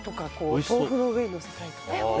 豆腐の上にのせたりとか。